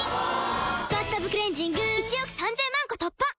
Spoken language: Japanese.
「バスタブクレンジング」１億３０００万個突破！